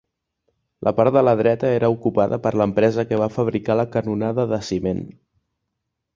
La part de la dreta era ocupada per l'empresa que va fabricar la canonada de ciment.